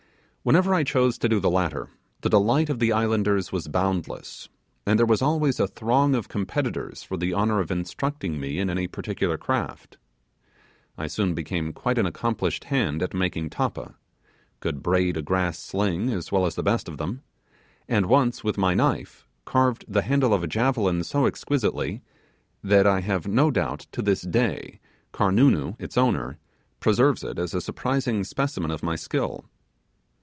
Whenever I chose to do the latter, the delight of the islanders was boundless; and there was always a throng of competitors for the honour of instructing me in any particular craft. I soon became quite an accomplished hand at making tappa could braid a grass sling as well as the best of them and once, with my knife, carved the handle of a javelin so exquisitely, that I have no doubt, to this day, Karnoonoo, its owner, preserves it as a surprising specimen of my skill.